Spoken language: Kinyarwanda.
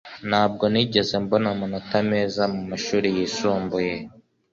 ntabwo nigeze mbona amanota meza mumashuri yisumbuye